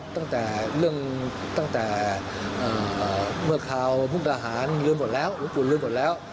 ตั้งแต่เมื่อข่าวพุทธอาหารลืมหมดแล้วหลวงปู่ลืมหมดแล้ว